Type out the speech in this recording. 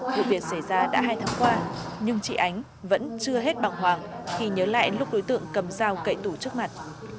vụ việc xảy ra đã hai tháng qua nhưng chị ánh vẫn chưa hết bằng hoàng khi nhớ lại lúc đối tượng cầm dao cậy tủ trước mặt